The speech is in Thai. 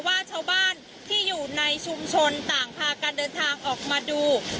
ว่าชาวบ้านที่อยู่ในชุมชนต่างพากันเดินทางออกมาดู